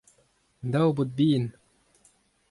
daou baotr bihan.